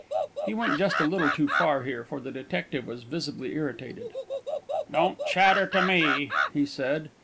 He went just a little too far here, for the detective was visibly irritated. "Don't chatter to me," he said.